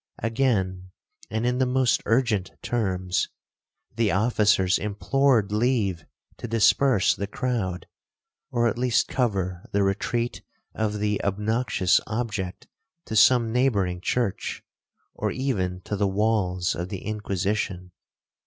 Again, and in the most urgent terms, the officers implored leave to disperse the crowd, or at least cover the retreat of the obnoxious object to some neighbouring church, or even to the walls of the Inquisition.